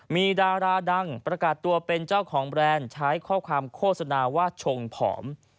มีดาราดังประกาศตัวเป็นเจ้าของแบรนด์ใช้ข้อความโฆษณาว่าชงผอม